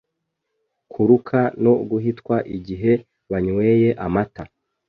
kuruka no guhitwa igihe banyweye amata